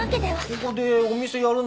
ここでお店やるんだべ？